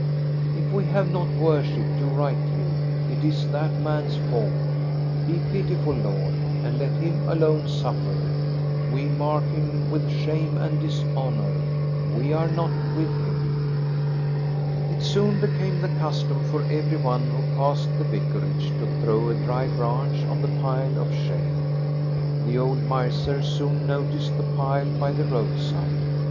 If we have not worshipped you rightly, it is that man's fault. Be pitiful, Lord, and let him alone suffer! We mark him with shame and dishonor. We are not with him." It soon became the custom for every one who passed the vicarage to throw a dry branch on the pile of shame. The old miser soon noticed the pile by the road side.